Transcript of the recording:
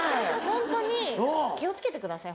ホントに気を付けてください